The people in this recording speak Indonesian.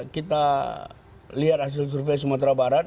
kita lihat hasil survei sumatera barat